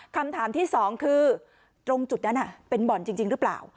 คำถามที่สองคือตรงจุดนั้นเป็นบ่อนจริงหรือเปล่า